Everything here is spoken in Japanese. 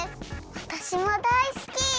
わたしもだいすき。